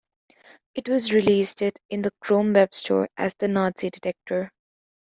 It was released it in the Chrome Web Store as The Nazi Detector.